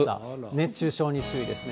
熱中症に注意ですね。